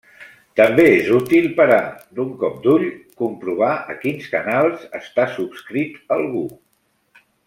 També és útil per a, d'un cop d'ull, comprovar a quins canals està subscrit algú.